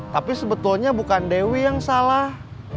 tapi sebetulnya bukan dewi yang salah